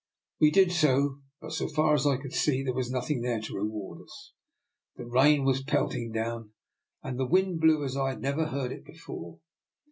We did so, but so far as I could see there was nothing there to reward us. The rain was pelting down, and the wind blew as I had never heard it do before.